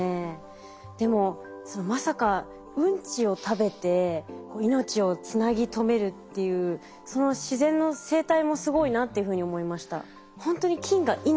でもまさかウンチを食べて命をつなぎとめるっていうその自然の生態もすごいなっていうふうに思いました。